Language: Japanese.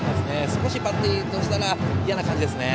少しバッテリーとしたら嫌な感じですね。